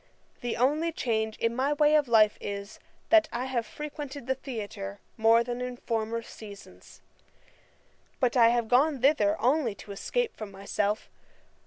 The only change in my way of life is, that I have frequented the theatre more than in former seasons. But I have gone thither only to escape from myself.